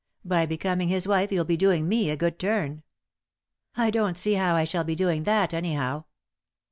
By becoming bis wife you'll be doing me a good turn." " I don't see how I shall be doing that, anyhow."